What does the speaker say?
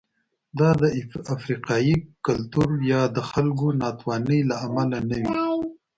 دا د افریقايي کلتور یا د خلکو ناتوانۍ له امله نه وې.